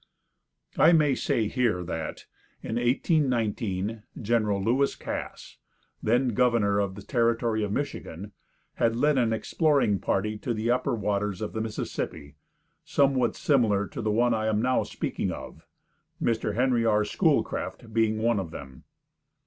I may say here that, in 1819, Gen. Lewis Cass, then governor of the Territory of Michigan, had led an exploring party to the upper waters of the Mississippi, somewhat similar to the one I am now speaking of, Mr. Henry R. Schoolcraft being one of them.